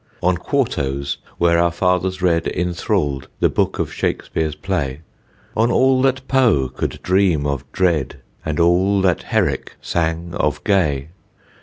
On quartos where our fathers read, Enthralled, the Book of Shakespeare's play, On all that Poe could dream of dread, And all that Herrick sang of gay!